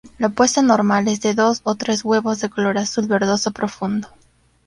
La puesta normal es de dos o tres huevos de color azul verdoso profundo.